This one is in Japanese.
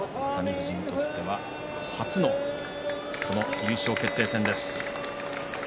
富士にとっては初の優勝決定戦です。